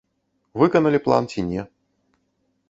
Выканалі план ці не.